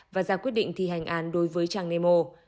và ra quyết định thi hành án đối với trang nemo